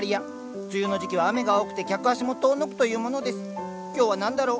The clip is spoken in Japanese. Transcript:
梅雨の時期は雨が多くて客足も遠のくというものです今日は何だろう。